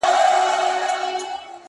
چي ته راځې تر هغو خاندمه.! خدایان خندوم.!